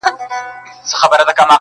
هیڅ پوه نه سوم تر منځه د پېرۍ او د شباب,